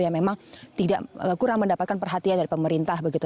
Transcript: yang memang kurang mendapatkan perhatian dari pemerintah begitu